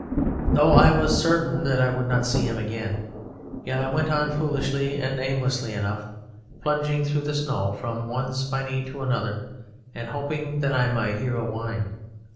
"Though I was certain that I would not see him again yet I went on foolishly and aimlessly enough, plunging through the snow from one spinney to another and hoping that I might hear a whine.